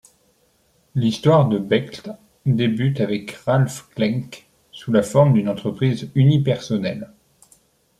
L’histoire de Bechtle débute avec Ralf Klenk sous la forme d’une entreprise unipersonnelle.